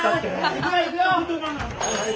行くよ行くよ！